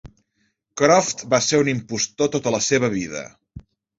Croft va ser un impostor tota la seva vida.